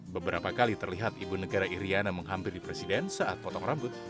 beberapa kali terlihat ibu negara iryana menghampiri presiden saat potong rambut